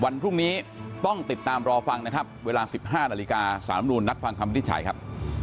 นี้ป้องติดตามรอฟังนะครับเวลาสิบห้านาฬิกาสามรุนนักฟังคำพิจฉัยครับ